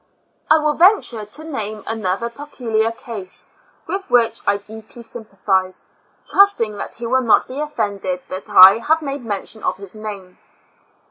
I will venture to name another particu lar case with which I deeply sympathize, trustino; that he will not be offended that I have made mention of his name.